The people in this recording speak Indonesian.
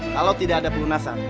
kalau tidak ada perunasan